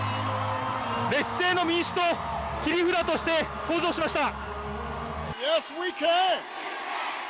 劣勢の民主党、切り札として登場しました。